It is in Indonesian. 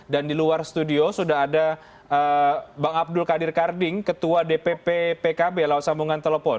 dan di luar studio sudah ada bang abdul kadir karding ketua dpp pkb laosamungkul